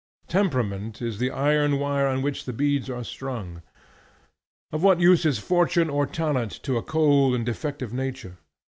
Temperament is the iron wire on which the beads are strung. Of what use is fortune or talent to a cold and defective nature?